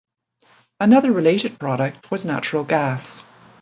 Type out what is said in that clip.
Another related product was natural gas.